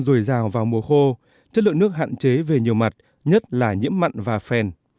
dồi dào vào mùa khô chất lượng nước hạn chế về nhiều mặt nhất là nhiễm mặn và phèn